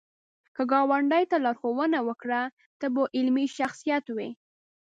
که ګاونډي ته لارښوونه وکړه، ته به علمي شخصیت وې